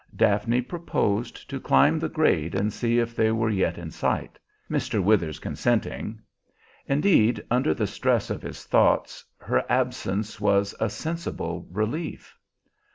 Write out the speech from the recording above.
Daphne proposed to climb the grade and see if they were yet in sight, Mr. Withers consenting. Indeed, under the stress of his thoughts, her absence was a sensible relief.